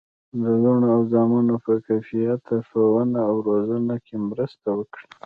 د لوڼو او زامنو په باکیفیته ښوونه او روزنه کې مرسته وکړي.